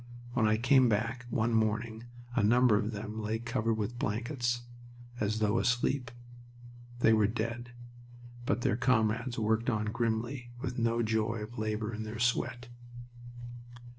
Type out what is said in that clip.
When I came back one morning a number of them lay covered with blankets, as though asleep. They were dead, but their comrades worked on grimly, with no joy of labor in their sweat.